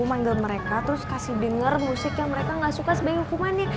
manggil mereka terus kasih denger musik yang mereka gak suka sebagai hukuman nih